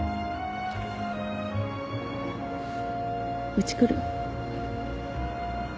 うち来る？